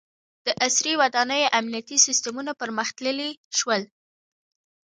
• د عصري ودانیو امنیتي سیستمونه پرمختللي شول.